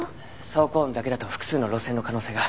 走行音だけだと複数の路線の可能性が。